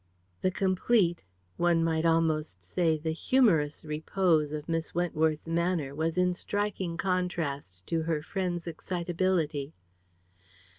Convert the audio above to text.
The complete, and one might almost say, the humorous repose of Miss Wentworth's manner was in striking contrast to her friend's excitability.